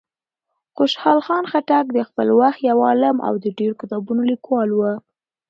خوشحال خان خټک د خپل وخت یو عالم او د ډېرو کتابونو لیکوال و.